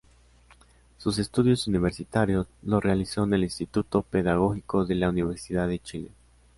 Sus estudios universitarios los realizó en el Instituto Pedagógico de la Universidad de Chile.